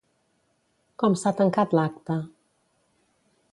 Com s'ha tancat l'acte?